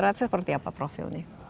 rata rata seperti apa profilnya